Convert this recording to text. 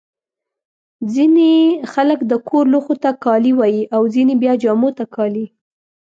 ځيني خلک د کور لوښو ته کالي وايي. او ځيني بیا جامو ته کالي.